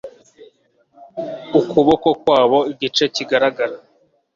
Ukuboko kwabo igice kigaragara